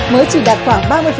mới chỉ đạt khoảng ba mươi